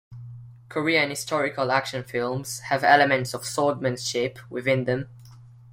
Korean historical action films have elements of swordsmanship within them.